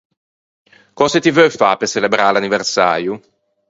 Cöse ti veu fâ pe çelebrâ l’anniversäio?